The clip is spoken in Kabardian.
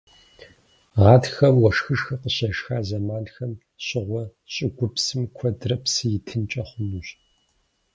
Гъатхэм, уэшхышхуэ къыщешха зэманхэм щыгъуэ щӀыгупсым куэдрэ псы итынкӀэ хъунущ.